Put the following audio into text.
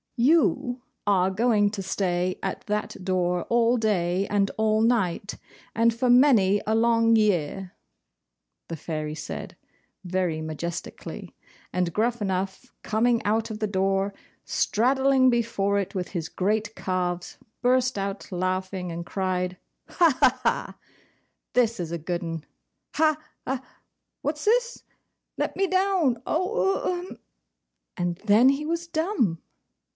'You ARE going to stay at that door all day and all night, and for many a long year,' the Fairy said, very majestically; and Gruffanuff, coming out of the door, straddling before it with his great calves, burst out laughing, and cried, 'Ha, ha, ha! this is a good un! Ha ah what's this? Let me down O o H'm!' and then he was dumb!